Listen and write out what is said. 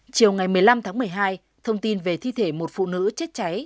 chiều ngày một mươi năm tháng một mươi hai thông tin về thi thể một phụ nữ chết cháy